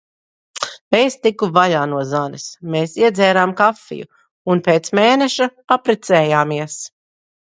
Es tiku vaļā no Zanes. Mēs iedzērām kafiju. Un pēc mēneša apprecējāmies.